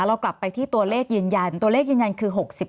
เรากลับไปที่ตัวเลขยืนยันตัวเลขยืนยันคือ๖๐